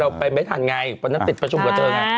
เราไปไม่ทันไงติดประชุมกับเธอค่ะ